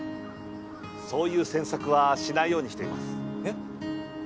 そういう詮索はしないようにしていますえっ？